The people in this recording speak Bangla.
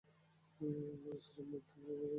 তারা স্রেফ মুখ থুবরে পড়ে যান।